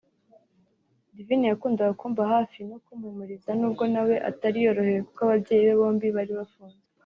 Divine yakundaga kumba hafi no kumpumuriza n’ubwo nawe atari yorohewe kuko ababyeyi be bombi bari bafunze